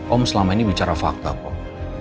om selama ini bicara fakta kok